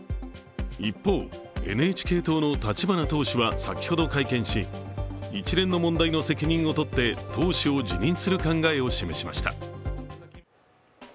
一方、ＮＨＫ党の立花党首は先ほど会見し一連の問題の責任を取って党首を辞任する考えを示しました。